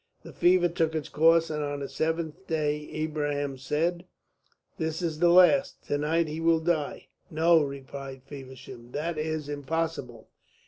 The fever took its course, and on the seventh day Ibrahim said: "This is the last. To night he will die." "No," replied Feversham, "that is impossible.